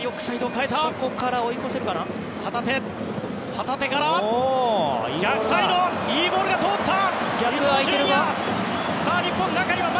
旗手から逆サイドいいボールが通った！